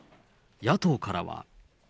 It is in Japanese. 野党からは。